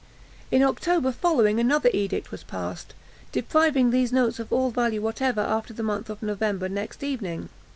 In October following another edict was passed, depriving these notes of all value whatever after the month of November next ensuing.